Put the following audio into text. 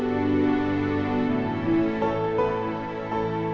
habis aku selama ini